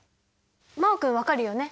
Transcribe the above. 真旺君分かるよね？